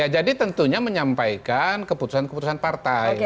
jadi tentunya menyampaikan keputusan keputusan partai